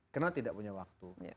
karena tidak punya waktu